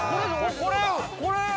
これこれ。